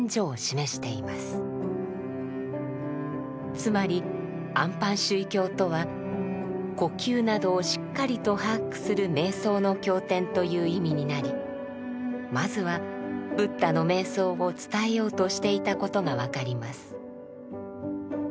つまり「安般守意経」とは呼吸などをしっかりと把握する瞑想の経典という意味になりまずはブッダの瞑想を伝えようとしていたことが分かります。